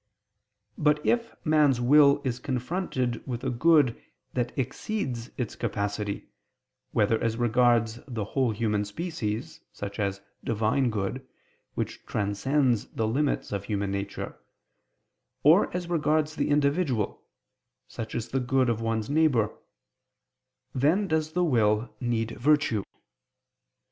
But if man's will is confronted with a good that exceeds its capacity, whether as regards the whole human species, such as Divine good, which transcends the limits of human nature, or as regards the individual, such as the good of one's neighbor, then does the will need virtue.